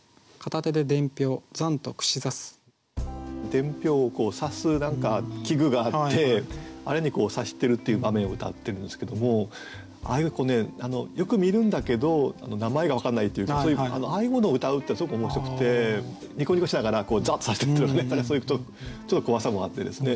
伝票を刺す何か器具があってあれに刺してるっていう場面をうたってるんですけどもああいうよく見るんだけど名前が分かんないというかそういうああいうものをうたうっていうのはすごく面白くてニコニコしながらざんと刺してるっていうのが何かそういうちょっと怖さもあってですね